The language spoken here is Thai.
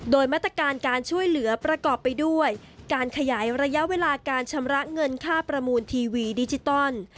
โดยมาตรการการช่วยเหลือประกอบไปด้วยการขยายระยะเวลาการชำระเงินค่าประมูลทีวีดิจิตอล